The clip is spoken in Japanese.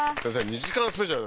２時間スペシャル！！